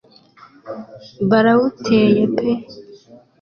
Barawuteye pe